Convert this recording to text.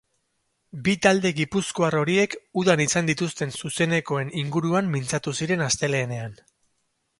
Bi talde gipuzkoar horiek udan izan dituzten zuzenekoen inguruan mintzatu ziren astelehenean.